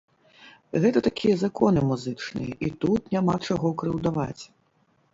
Гэта такія законы музычныя, і тут няма чаго крыўдаваць.